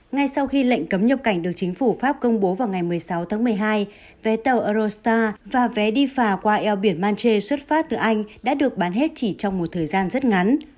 ngay sau khi lệnh cấm nhập cảnh được chính phủ pháp công bố vào ngày một mươi sáu tháng một mươi hai vé tàu eurosta và vé đi phà qua eo biển manche xuất phát từ anh đã được bán hết chỉ trong một thời gian rất ngắn